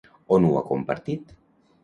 On ho ha compartit?